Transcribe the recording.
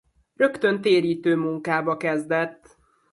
Rögtön térítő munkába kezdett.